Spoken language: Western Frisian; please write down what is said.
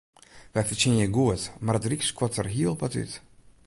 Wy fertsjinje goed, mar it ryk skuort der hiel wat út.